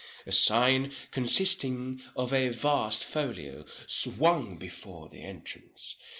A sign, consisting of a vast folio, swung before the entrance.